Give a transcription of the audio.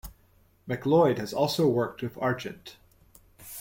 MacLeod has also worked with Argent.